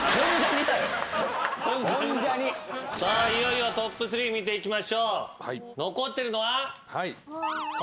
いよいよトップ３見ていきましょう。